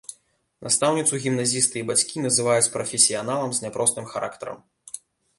Настаўніцу гімназісты і бацькі называюць прафесіяналам з няпростым характарам.